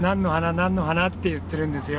なんのはな？」って言ってるんですよ。